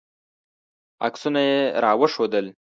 عکسونه یې راوښودل.